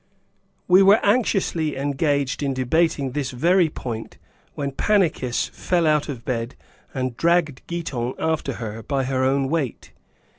We were anxiously engaged in debating this very point, when Pannychis fell out of bed, and dragged Giton after her, by her own weight.